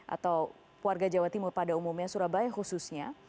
atau warga jawa timur pada umumnya surabaya khususnya